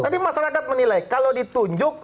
tapi masyarakat menilai kalau ditunjuk